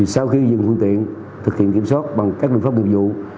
sau khi dừng phương tiện thực hiện kiểm soát bằng các biện pháp biểu dụng